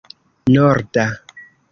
norda